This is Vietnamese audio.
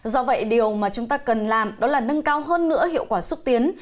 do vậy điều mà chúng ta cần làm đó là nâng cao hơn nữa hiệu quả xúc tiến